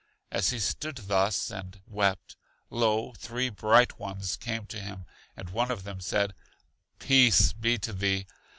As he stood thus and wept, lo, three Bright Ones came to him, and one of them said: Peace be to thee!